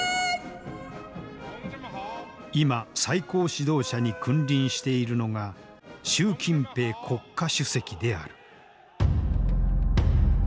今最高指導者に君臨しているのが習近平国家主席である。